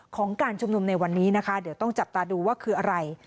ของการชุมนุมในวันนี้นะคะเดี๋ยวต้องจับตาดูว่าคืออะไร